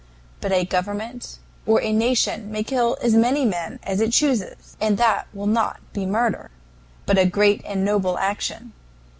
But a government or a nation may kill as many men as it chooses, and that will not be murder, but a great and noble action.